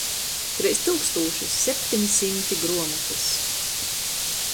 Treis tyukstūšys septeni symti gruomotys.